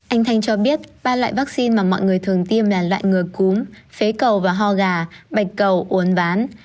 anh thanh cho biết ba loại vaccine mà mọi người thường tiêm là loại ngừa cúm phế cầu và ho gà bạch cầu uốn ván